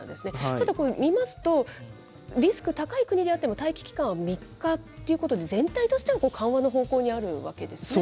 ただこれ、見ますと、リスク高い国であっても、待機期間は３日っていうことで、全体としてはこれ、緩和の方向にあるわけですね。